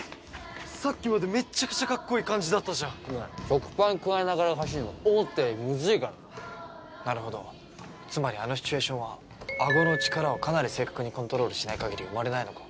さっきまでめっちゃくちゃかっこいい感じだったじゃんいや食パン咥えながら走るの思ったよりむずいからななるほどつまりあのシチュエーションはあごの力をかなり正確にコントロールしないかぎり生まれないのか